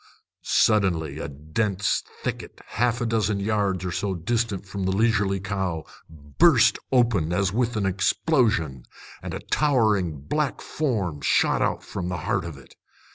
Suddenly a dense thicket, half a dozen yards or so distant from the leisurely cow, burst open as with an explosion, and a towering black form shot out from the heart of it.